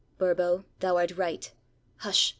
"Burbo, thou art right! Hush!